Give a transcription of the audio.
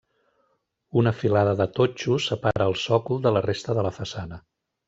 Una filada de totxo separa el sòcol de la resta de la façana.